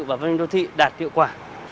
và văn minh đô thị đạt tiệu quả